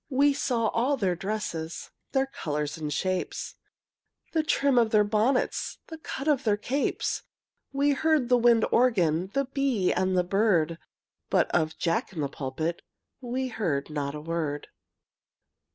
We saw all their dresses, Their colors and shapes; The trim of their bonnets, The cut of their capes. We heard the wind organ, The bee, and the bird, But of Jack in the pulpit We heard not a word!